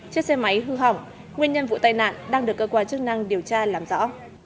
chiếc xe máy hư hỏng nguyên nhân vụ tai nạn đang được cơ quan chức năng điều tra làm rõ